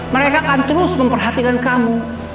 mereka akan terus memperhatikan kamu